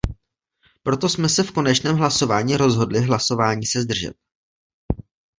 Proto jsme se v konečném hlasování rozhodli hlasování se zdržet.